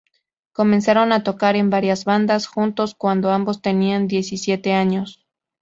Comenzaron a tocar en varias bandas juntos cuando ambos tenían diecisiete años.